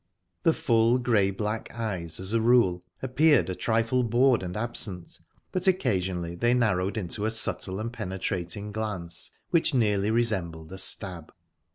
The full, grey black eyes as a rule appeared a trifle bored and absent, but occasionally they narrowed into a subtle and penetrating glance which nearly resembled a stab.